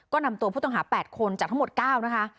ก็นำตัวผู้ต้องหา๘คนจากทั้งหมด๙นะคะ